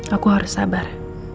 aku harus sabar